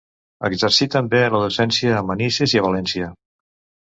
Exercí també la docència, a Manises i a València.